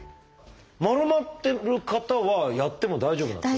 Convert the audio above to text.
丸まってる方はやっても大丈夫なんですか？